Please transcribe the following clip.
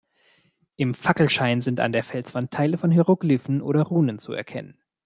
Im Fackelschein sind an der Felswand Teile von Hieroglyphen oder Runen zu erkennen.